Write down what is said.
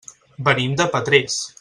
Venim de Petrés.